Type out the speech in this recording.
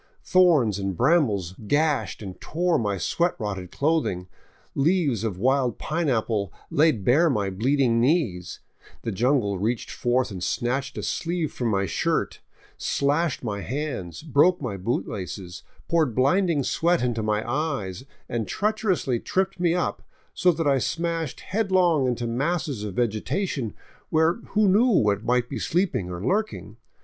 Thorns and brambles gashed and tore my sweat rotted clothing, leaves of wild pineapple laid bare my bleeding knees, the jungle reached forth and snatched a sleeve from my shirt, slashed my hands, broke my boot laces, poured blinding sweat into my eyes, and treacherously tripped me up, so that I smashed headlong into masses of vegetation where who knew what might be sleeping or lurking.